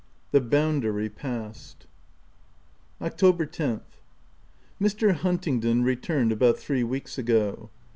THE BOUNDARY PAST. October 10th. — Mr. Huntingdon returned about three weeks ago.